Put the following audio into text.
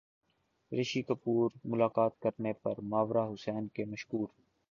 رشی کپور ملاقات کرنے پر ماورا حسین کے مشکور